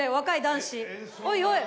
おいおい。